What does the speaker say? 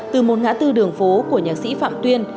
từ một ngã tư đường phố của nhạc sĩ phạm tuyên